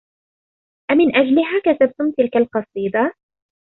أمن أجلها كتبتم تلك القصيدة؟